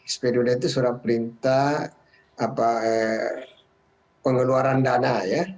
sp dua d itu sudah perintah pengeluaran dana